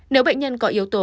nếu bệnh nhân có yếu tố